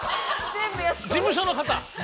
◆事務所の方。